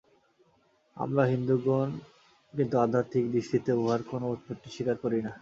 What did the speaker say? আমরা হিন্দুগণ কিন্তু আধ্যাত্মিক দৃষ্টিতে উহার কোন উৎপত্তি স্বীকার করি না।